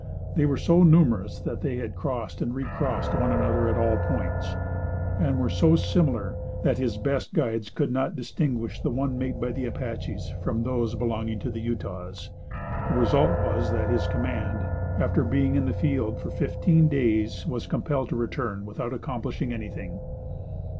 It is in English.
They were so numerous that they crossed and recrossed one another at all points, and were so similar that his best guides could not distinguish the one made by the Apaches from those belonging to the Utahs. The result was that this command, after being in the field for fifteen days, was compelled to return without accomplishing anything.